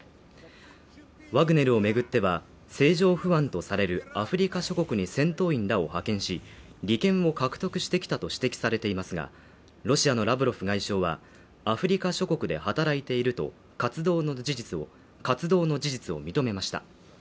ワグネルを巡っては、政情不安とされるアフリカ諸国に戦闘員らを派遣し、利権を獲得してきたと指摘されていますが、ロシアのラブロフ外相は、アフリカ諸国で働いていると活動の事実を認めました。